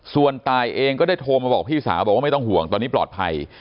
ส่วนตายเองก็ได้โทรมาบอกพี่สาวบอกว่าไม่ต้องห่วงตอนนี้ปลอดภัย